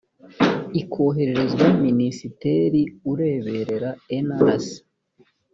ikohererezwa minisitiri ureberera nlc